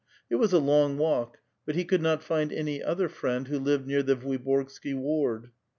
It was a long walk; but he could not find any other friend who lived near the Vuiborgsky ward.